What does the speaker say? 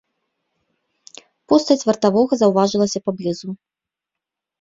Постаць вартавога заўважалася поблізу.